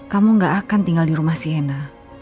kamu gak akan tinggal di rumah sienna